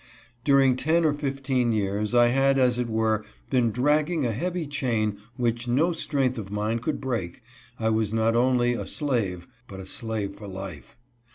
During ten or fifteen years I had, as it were, been dragging a heavy chain whieh no strength of mine could break I was not only a slave, but a slave for life.